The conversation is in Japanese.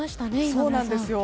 そうなんですよ。